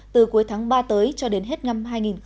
từ cuối tháng ba tới cho đến hết năm hai nghìn hai mươi